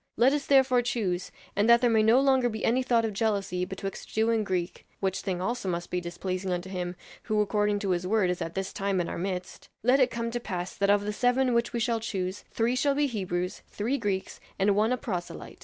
Let us therefore choose, and that there may no longer be any thought of jealousy betwixt Jew and Greek which thing also must be displeasing unto him, who according to his word, is at this time in our midst let it come to pass that of the seven which we shall choose, three shall be Hebrews, three Greeks and one a proselyte.